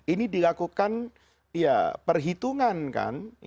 ini dilakukan perhitungan kan